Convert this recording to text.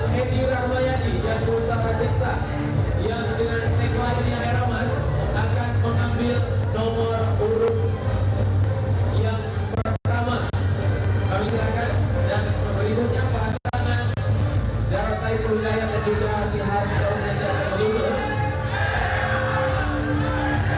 kami silakan dan berikutnya pahasangan darah sayang perhidayat dan juga sihar di kawasan jalan kembali